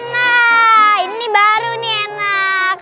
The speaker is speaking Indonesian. nah ini baru nih enak